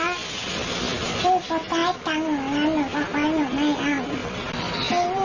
เนี้ยถ้าหนูกลมหลายก็เอาอ้ามาหนูก็อ้อก๋เนี้ยจะเจ็บเจ๋งแล้ว